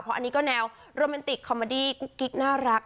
เพราะอันนี้ก็แนวโรแมนติกคอมเมอดี้กุ๊กกิ๊กน่ารัก